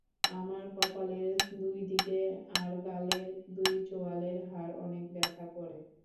আমার কপালের দুইদিকে আর গালের দুই চোয়ালের হাড় অনেক ব্যথা করে।